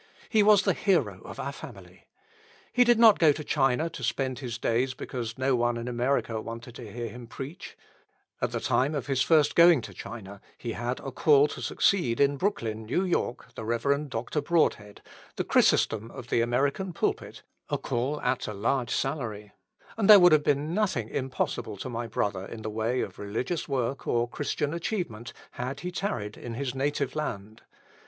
He was the hero of our family. He did not go to China to spend his days because no one in America wanted to hear him preach. At the time of his first going to China he had a call to succeed in Brooklyn, N.Y., the Rev. Dr. Broadhead, the Chrysostom of the American pulpit, a call at a large salary; and there would have been nothing impossible to my brother in the way of religious work or Christian achievement had he tarried in his native land.